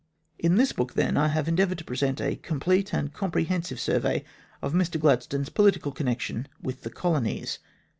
In this book, then, I have endeavoured to present a complete and comprehensive survey of Mr Gladstone's political connection with the Colonies.